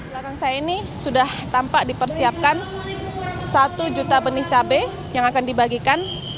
belakang saya ini sudah tampak dipersiapkan satu juta benih cabai yang akan dibagikan